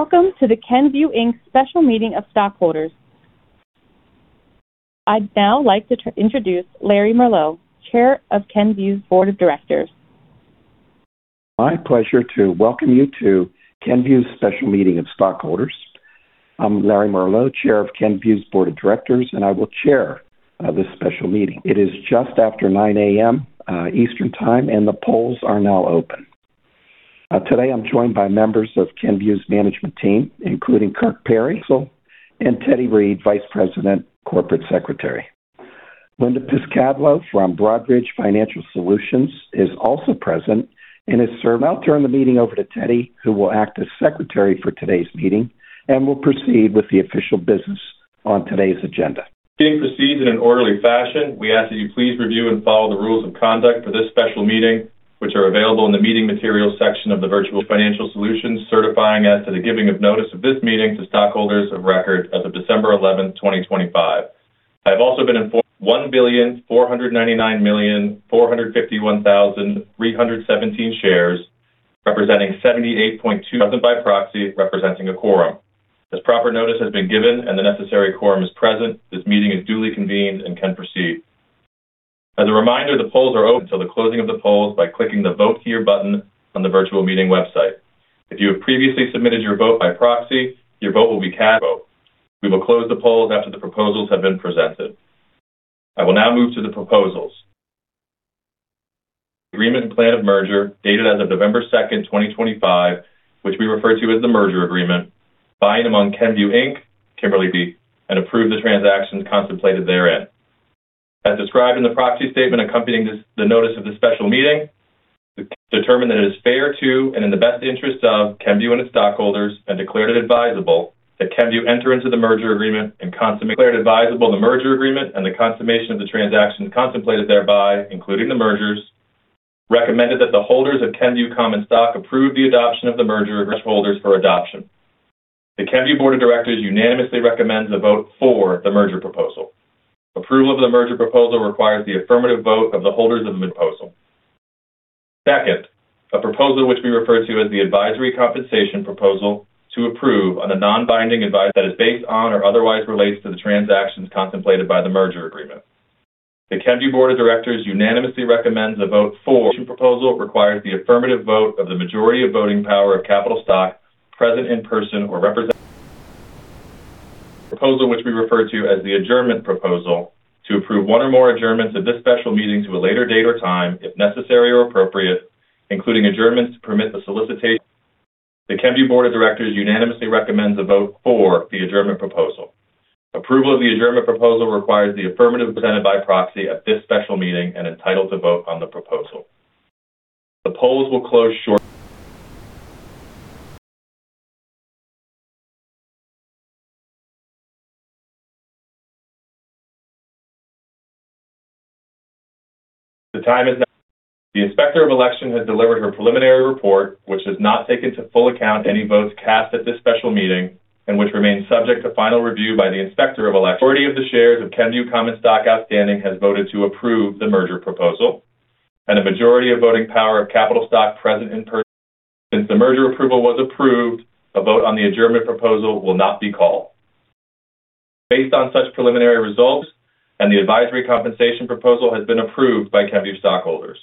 ...Welcome to the Kenvue Inc. special meeting of stockholders. I'd now like to introduce Larry Merlo, Chair of Kenvue's Board of Directors. My pleasure to welcome you to Kenvue's special meeting of stockholders. I'm Larry Merlo, Chair of Kenvue's Board of Directors, and I will chair this special meeting. It is just after 9:00 A.M. Eastern Time, and the polls are now open. Today, I'm joined by members of Kenvue's management team, including Kirk Perry and Teddy Reed, Vice President, Corporate Secretary. Linda Piscitello from Broadridge Financial Solutions is also present and has served. I'll turn the meeting over to Teddy, who will act as secretary for today's meeting and will proceed with the official business on today's agenda. Being proceeded in an orderly fashion, we ask that you please review and follow the rules of conduct for this special meeting, which are available in the Meeting Materials section of the virtual meeting. Broadridge Financial Solutions, certifying as to the giving of notice of this meeting to stockholders of record as of December 11th, 2025. I've also been informed—1,499,451,317 shares, representing 78.2% by proxy, representing a quorum. As proper notice has been given and the necessary quorum is present, this meeting is duly convened and can proceed. As a reminder, the polls are open until the closing of the polls by clicking the Vote Here button on the Virtual Meeting website. If you have previously submitted your vote by proxy, your vote will be cast. We will close the polls after the proposals have been presented. I will now move to the proposals. Agreement and Plan of Merger, dated as of November 2nd, 2025, which we refer to as the Merger Agreement, binding among Kenvue, Kimberly-Clark, and approve the transactions contemplated therein. As described in the proxy statement accompanying this, the notice of the special meeting, determined that it is fair to, and in the best interest of Kenvue and its stockholders, and declared it advisable that Kenvue enter into the Merger Agreement and consequently declared advisable the Merger Agreement and the consummation of the transaction contemplated thereby, including the mergers. Recommended that the holders of Kenvue common stock approve the adoption of the merger shareholders for adoption. The Kenvue board of directors unanimously recommends a vote for the Merger Proposal. Approval of the Merger Proposal requires the affirmative vote of the holders of the proposal. Second, a proposal which we refer to as the Advisory Compensation Proposal, to approve on a non-binding advice that is based on or otherwise relates to the transactions contemplated by the Merger Agreement. The Kenvue Board of Directors unanimously recommends a vote for the Advisory Compensation Proposal. Approval of the Advisory Compensation Proposal requires the affirmative vote of the majority of voting power of capital stock present in person or represented by proxy at this special meeting and entitled to vote on the proposal. Third, a proposal, which we refer to as the Adjournment Proposal, to approve one or more adjournments of this special meeting to a later date or time, if necessary or appropriate, including adjournments to permit the solicitation. The Kenvue Board of Directors unanimously recommends a vote for the Adjournment Proposal. Approval of the Adjournment Proposal requires the affirmative vote of the shares present in person or presented by proxy at this special meeting and entitled to vote on the proposal. The polls will close. The time is now. The Inspector of Election has delivered her preliminary report, which has not taken to full account any votes cast at this special meeting, and which remains subject to final review by the Inspector of Election. 40 of the shares of Kenvue common stock outstanding has voted to approve the Merger Proposal and a majority of voting power of capital stock present in person. Since the merger approval was approved, a vote on the Adjournment Proposal will not be called. Based on such preliminary results, the Advisory Compensation Proposal has been approved by Kenvue stockholders.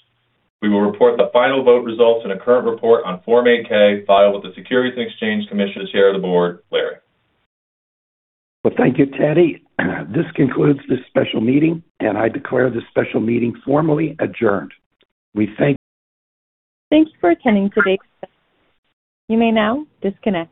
We will report the final vote results in a current report on Form 8-K filed with the Securities and Exchange Commission. Chair of the board, Larry. Well, thank you, Teddy. This concludes this special meeting, and I declare this special meeting formally adjourned. We thank- Thank you for attending today's. You may now disconnect.